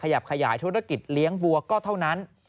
ขยายธุรกิจเลี้ยงวัวก็เท่านั้น